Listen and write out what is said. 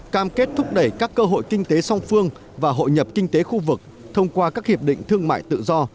cam kết thúc đẩy các cơ hội kinh tế song phương và hội nhập kinh tế khu vực thông qua các hiệp định thương mại tự do